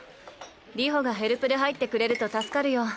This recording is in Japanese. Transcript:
流星がヘルプで入ってくれると助かるよ。